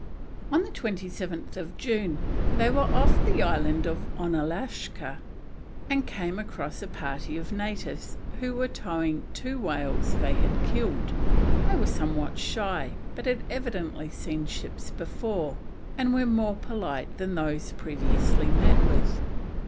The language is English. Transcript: On 27th June they were off the island of Onalaschka, and came across a party of natives who were towing two whales they had killed; they were somewhat shy, but had evidently seen ships before, and were more polite than those previously met with.